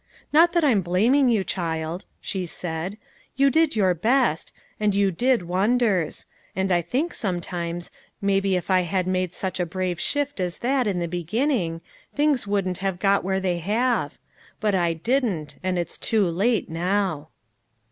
190 LITTLE FISHEBS : AND THEIE NETS. "Not that I'm blaming you, child," she said, " you did your best, and you did wonders ; and I think sometimes, maybe if I had made such a brave shift as that in the beginning, things wouldn't have got where they have. But I didn't, and it's too late now."